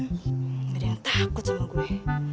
tidak ada yang takut sama gue